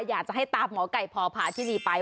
อยากจะให้ตามหมอไก่พพาธินีไป